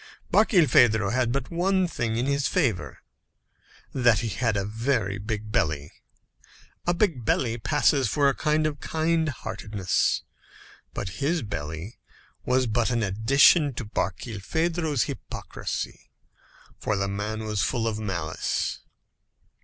Barkilphedro had but one thing in his favour that he had a very big belly. A big belly passes for a sign of kind heartedness. But his belly was but an addition to Barkilphedro's hypocrisy; for the man was full of malice.